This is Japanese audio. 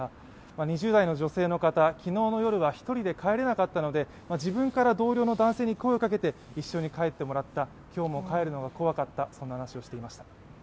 ２０代の女性の方は昨日の夜は１人で帰れなかったので自分から同僚の男性に声をかけて一緒に帰ってもらった、今日も帰るのが怖かった、そんな話をしていました。